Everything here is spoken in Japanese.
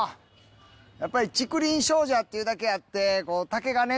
やっぱり竹林精舎っていうだけあって竹がね